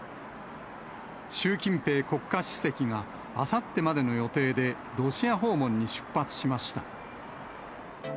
習近平国家主席が、あさってまでの予定で、ロシア訪問に出発しました。